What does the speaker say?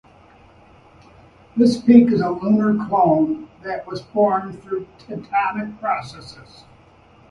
This peak is a lunar cone that was formed through tectonic processes.